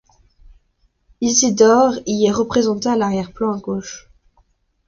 Isidore y est représenté à l'arrière-plan, à gauche.